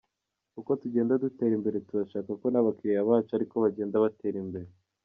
Uko tugenda dutera imbere, turashaka ko n’abakiliya bacu ariko bagenda batera imbere.